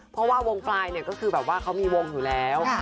เพราะว่าวงปลายเนี่ยก็คือแบบว่าเขามีวงอยู่แล้ว